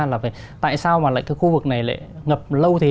là tại sao mà lại cái khu vực này lại ngập lâu thế